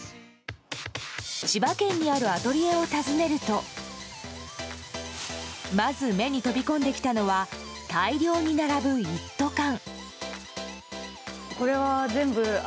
千葉県にあるアトリエを訪ねるとまず目に飛び込んできたのは大量に並ぶ一斗缶。